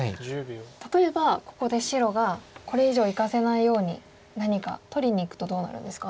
例えばここで白がこれ以上いかせないように何か取りにいくとどうなるんですか？